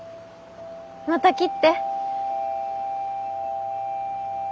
また切って。